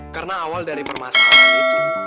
karena awal dari permasalahan itu